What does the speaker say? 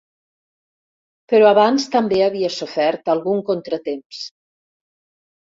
Però abans també havia sofert algun contratemps.